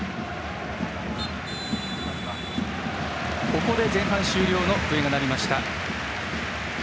ここで前半終了の笛が鳴りました。